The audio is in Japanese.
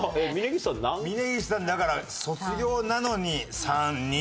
峯岸さんだから卒業なのに３２。